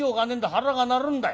腹が鳴るんだよ。